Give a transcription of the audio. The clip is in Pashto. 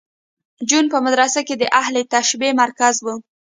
جون په مدرسه کې د اهل تشیع مرکز و